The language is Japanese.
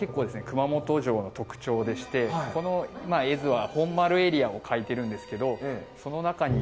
熊本城の特徴でしてこの絵図は本丸エリアを描いてるんですけどその中に。